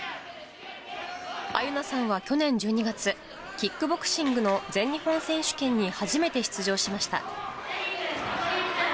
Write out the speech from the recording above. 愛結菜さんは去年１２月、キックボクシングの全日本選手権に初めて出場しました。